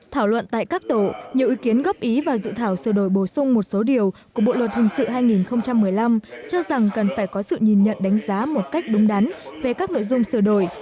thảo luận tại các tổ nhiều ý kiến góp ý vào dự thảo sửa đổi bổ sung một số điều của bộ luật hình sự hai nghìn một mươi năm cho rằng cần phải có sự nhìn nhận đánh giá một cách đúng đắn về các nội dung sửa đổi